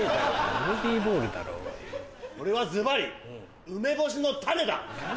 俺はズバリ梅干しの種だ！